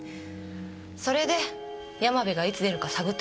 それで山部がいつ出るか探ってたの。